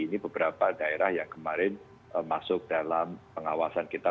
ini beberapa daerah yang kemarin masuk dalam pengawasan kita